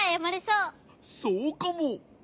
そうかも。